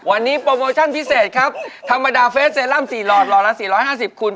วันนี้โปรโมชั่นพิเศษครับธรรมดาเฟสเซรั่ม๔หล่อหล่อละ๔๕๐คุณ